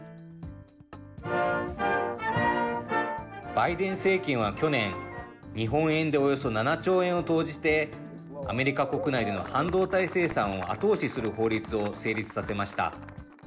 バイデン政権は去年、日本円でおよそ７兆円を投じて、アメリカ国内での半導体生産を後押しする法律を成立させました。